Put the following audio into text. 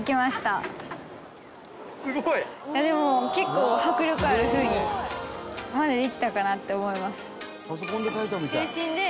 すごい！いやでも結構迫力あるふうにできたかなって思います。